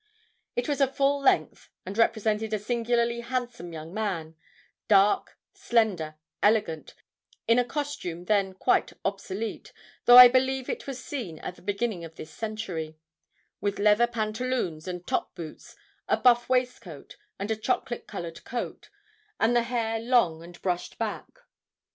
It was a full length, and represented a singularly handsome young man, dark, slender, elegant, in a costume then quite obsolete, though I believe it was seen at the beginning of this century white leather pantaloons and top boots, a buff waistcoat, and a chocolate coloured coat, and the hair long and brushed back.